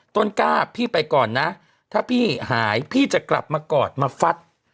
กล้าพี่ไปก่อนนะถ้าพี่หายพี่จะกลับมากอดมาฟัด